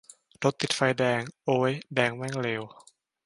รถติดไฟแดง โอ๊ย แดงแม่งเลว